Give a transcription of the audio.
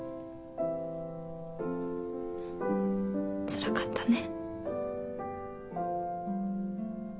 つらかったね。